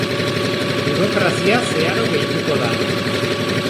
Burokrazia zeharo gehituko da.